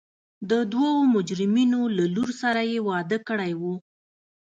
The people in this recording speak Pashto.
د دوو مجرمینو له لور سره یې واده کړی و.